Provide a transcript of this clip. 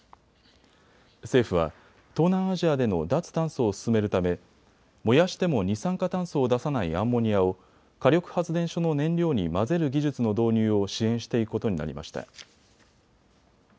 政府は東南アジアでの脱炭素を進めるため燃やしても二酸化炭素を出さないアンモニアを火力発電所の燃料に混ぜる技術の導入を支援していくことになりました。